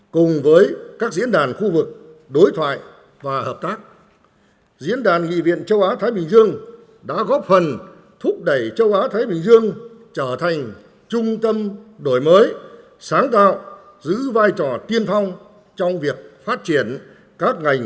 cùng với các diễn đàn khu vực đối thoại và hợp tác diễn đàn nghị viện châu á thái bình dương đã góp phần thúc đẩy châu á thái bình dương trở thành trung tâm đổi mới sáng tạo giữ vai trò tiên phong trong việc phát triển các ngành